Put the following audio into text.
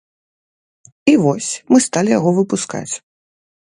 І вось, мы сталі яго выпускаць.